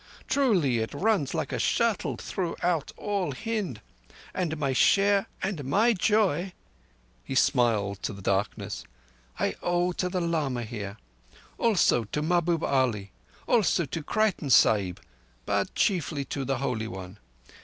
Truly, it runs like a shuttle throughout all Hind. And my share and my joy"—he smiled to the darkness—"I owe to the lama here. Also to Mahbub Ali—also to Creighton Sahib, but chiefly to the Holy One.